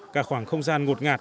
cả khoảng không gian ngột ngạt